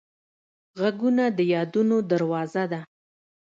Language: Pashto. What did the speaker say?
غږونه د یادونو دروازه ده